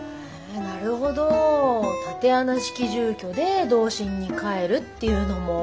なるほど竪穴式住居で童心に返るっていうのも。